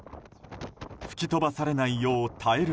吹き飛ばされないよう耐える